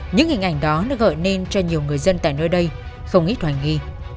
những hình ảnh đó nó gọi nên cho nhiều người dân tại nơi đây không ít hoài nghi